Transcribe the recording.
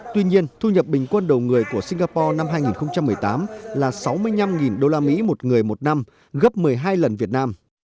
tuy nhiên thu nhập bình quân đầu người của singapore năm hai nghìn một mươi tám là sáu mươi năm usd một người một năm gấp một mươi hai lần việt nam